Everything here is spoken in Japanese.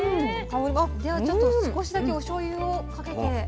ではちょっと少しだけおしょうゆをかけて。